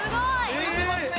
浮いてますね。